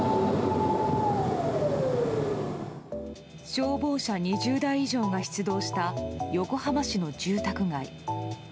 消防車２０台以上が出動した横浜市の住宅街。